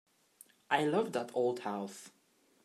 I love that old house.